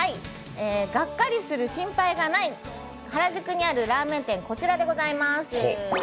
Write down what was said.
がっかりする心配がない原宿にあるラーメン店、こちらでございます。